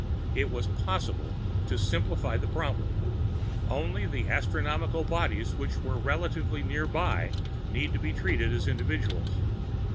It was possible to simplify the problem. Only the astronomical bodies which were relatively nearby need be treated as individuals.